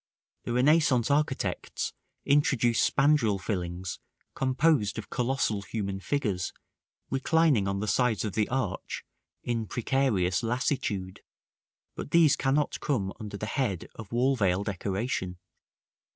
The Renaissance architects introduced spandril fillings composed of colossal human figures reclining on the sides of the arch, in precarious lassitude; but these cannot come under the head of wall veil decoration.